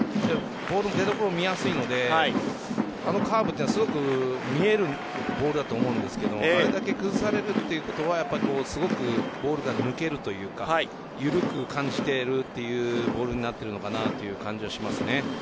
ボールが見やすいのであのカーブはすごく見えるボールだと思うんですけどあれだけ崩されるということはすごくボールが抜けるというか緩く感じているというボールになっているかなという感じはしますね。